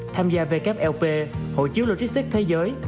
tham gia wlp hộ chiếu logistics thế giới